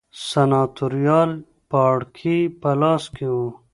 د سناتوریال پاړکي په لاس کې و